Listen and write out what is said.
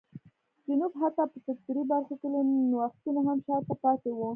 جنوب حتی په سکتوري برخو کې له نوښتونو هم شا ته پاتې و.